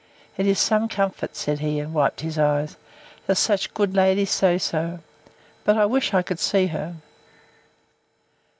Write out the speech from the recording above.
—It is some comfort, said he, and wiped his eyes, that such good ladies say so—But I wish I could see her.